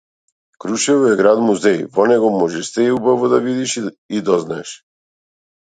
Крушево е град музеј во него можеш се убаво да видиш и дознаеш.